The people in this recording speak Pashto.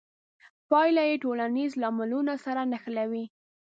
پایله یې ټولنیزو لاملونو سره نښلوي.